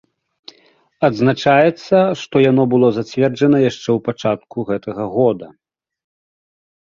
Адзначаецца, што яно было зацверджана яшчэ ў пачатку гэтага года.